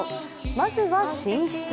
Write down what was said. まずは寝室。